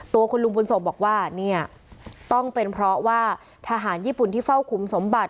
ตัวคุณลุงบุญศพบอกว่าเนี่ยต้องเป็นเพราะว่าทหารญี่ปุ่นที่เฝ้าขุมสมบัติ